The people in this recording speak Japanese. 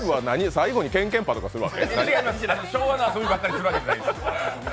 最後にけんけんぱとかするの？